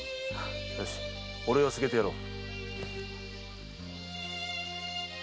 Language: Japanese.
よし俺がすげてやろう。